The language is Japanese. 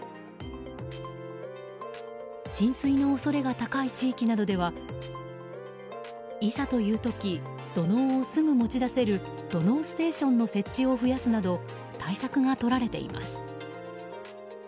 浸水の恐れが高い地域などではいざという時土のうをすぐ持ち出せる土のうステーションの設置を増やすなど対策がとられています。